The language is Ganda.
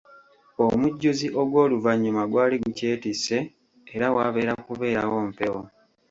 Omujjuzi ogw'oluvannyuma gwali gukyetisse era wabeera kubeerawo mpewo.